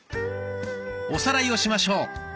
おさらいをしましょう。